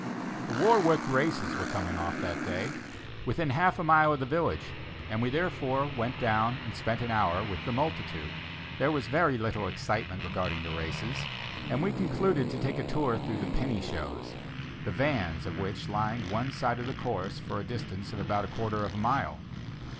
The "Warwick races" were coming off that day, within half a mile of the village, and we therefore went down and spent an hour with the multitude. There was very little excitement regarding the races, and we concluded to take a tour through the "penny shows," the vans of which lined one side of the course for the distance of a quarter of a mile.